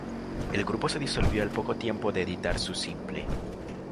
El grupo se disolvió al poco tiempo de editar su simple.